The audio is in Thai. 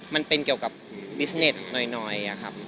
มันเป็นเกี่ยวกับบิสเน็ตหน่อยครับ